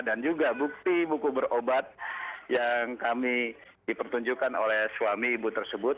dan juga bukti buku berobat yang kami dipertunjukkan oleh suami ibu tersebut